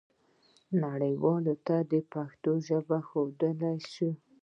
نړیوالو ته دې پښتو وښودل سي.